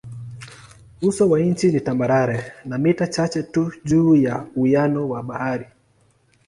Uso wa nchi ni tambarare na mita chache tu juu ya uwiano wa bahari.